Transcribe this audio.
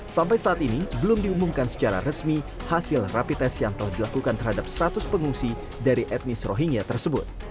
sampai saat ini belum diumumkan secara resmi hasil rapi tes yang telah dilakukan terhadap seratus pengungsi dari etnis rohingya tersebut